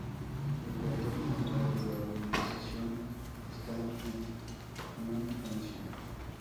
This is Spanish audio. El cuartel general de la organización está en Lyon, Francia.